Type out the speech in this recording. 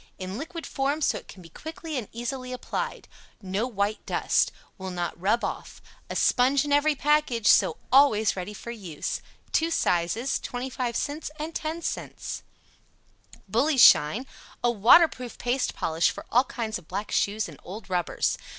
In liquid form so it can be quickly and easily applied. No white dust. Will not rub off. A sponge in every package, so always READY for use. Two sizes, 25c and 10c. "BULLY SHINE." A waterproof paste polish for all kinds of black shoes and old rubbers.